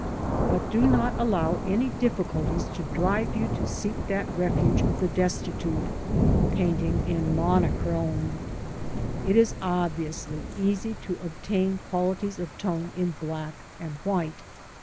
But do not allow any difficulties to drive you to seek that refuge of the destitute — painting in monochrome. It is obviously easy to obtain qualities of tone in black and white.